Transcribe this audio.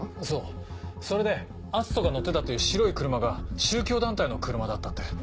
そうそれで篤斗が乗ってたっていう白い車が宗教団体の車だったって。